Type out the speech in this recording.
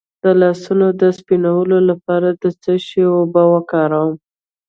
د لاسونو د سپینولو لپاره د څه شي اوبه وکاروم؟